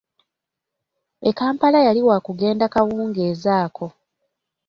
E Kampala yali waakugenda kawungeezi ako.